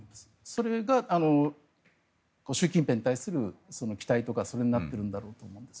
それが習近平に対する期待とかそれになってるんだと思います。